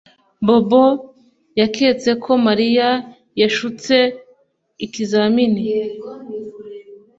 Bobo yaketse ko Mariya yashutse ikizamini